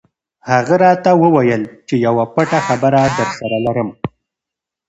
هغه راته وویل چې یوه پټه خبره درسره لرم.